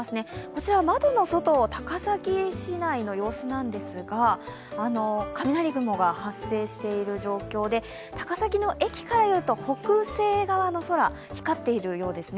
こちら窓の外、高崎市内の様子なんですが、雷雲が発生している状況で、高崎の駅からいうと北西側の空、光っているようです。